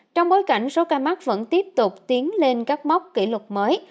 trong bối cảnh số ca mắc vẫn tiếp tục tiến lên các mốc kỷ lục mới